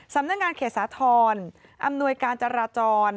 สำนักงานเขตสาธรอำนวยการจราจร